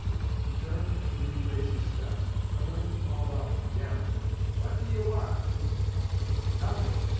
He turned to retrace his steps, when Lincoln called out, 'Jim! What do you want?' 'Nothing.'